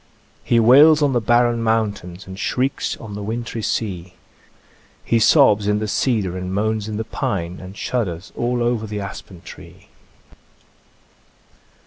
He wails on the barren mountains, And shrieks on the wintry sea ; He sobs in the cedar and moans in the pine, And shudders all over the aspen tree."